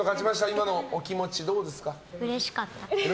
今のお気持ちどうですか？